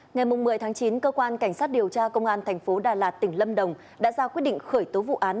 ngày một mươi chín cơ quan cảnh sát điều tra công an tp đà lạt tỉnh lâm đồng đã ra quyết định khởi tố vụ án